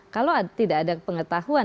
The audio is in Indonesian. kalau tidak ada pengetahuan